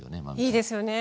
いいですよね。